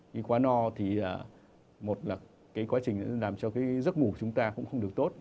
cái quán no thì một là cái quá trình làm cho cái giấc ngủ của chúng ta cũng không được tốt